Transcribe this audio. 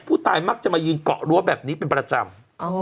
ผู้ตายมักจะมายืนเกาะรั้วแบบนี้เป็นประจำ